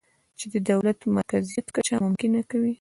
چې د دولت د مرکزیت کچه ممکنه کوي